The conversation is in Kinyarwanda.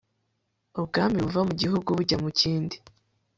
ubwami buva mu gihugu bujya mu kindi